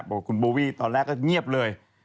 บอกคุณโบวี่ตอนแรกก็เงียบเลย